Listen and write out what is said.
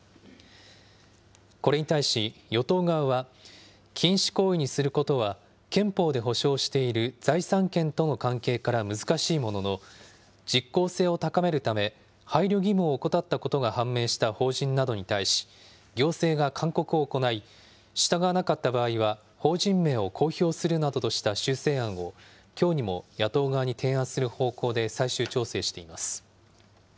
これに対し、与党側は禁止行為にすることは、憲法で保障している財産権との関係から難しいものの、実効性を高めるため、配慮義務を怠ったことが判明した法人などに対し、行政が勧告を行い、従わなかった場合は、法人名を公表するなどとした修正案を、きょうにも野党側に提案する方向で最終調整しています。